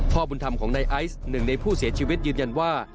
พ่อบุญธรรมของนายไอซ์หนึ่งในผู้เสียชีวิตยืนยันว่า